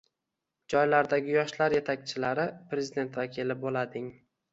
Joylardagi yoshlar yetakchilari Prezident vakili bo‘lading